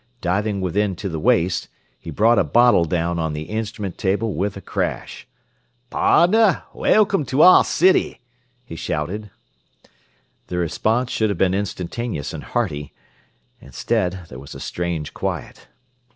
Diving within to the waist, he brought a bottle down on the instrument table with a crash. "Pardner, welcome to our city!" he shouted. The response should have been instantaneous and hearty. Instead there was a strange quiet.